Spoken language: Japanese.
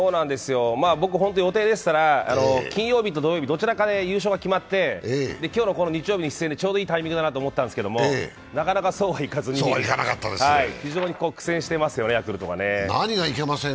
僕、予定でしたら金曜日と土曜日、優勝が決まって、今日の日曜日出演でちょうどいいタイミングだなと思ってたんですけどなかなかそうはいかずに、非常に苦戦していますよね、ヤクルトは。